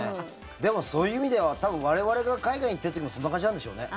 でも、そういう意味では多分、我々が海外に行ってる時もそんな感じなんでしょうね。